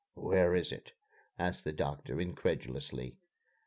"Where is it?" asked the doctor, incredulously.